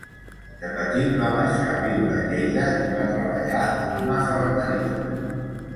De petit va marxar a viure a Lleida i va treballar en una ferreteria.